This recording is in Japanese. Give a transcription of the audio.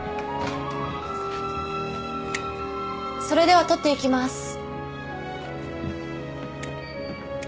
それでは撮っていきます。